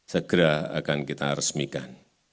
segera akan kita resmikan